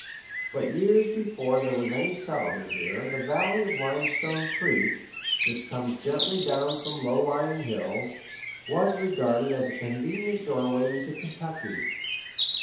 But years before there was any settlement here, the valley of Limestone Creek, which comes gently down from low lying hills, was regarded as a convenient doorway into Kentucky.